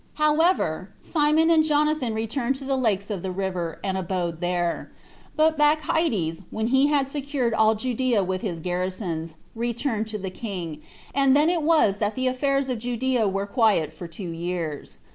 5. However, Simon and Jonathan returned to the lakes of the river, and abode there. But Bacchides, when he had secured all Judea with his garrisons, returned to the king; and then it was that the affairs of Judea were quiet for two years.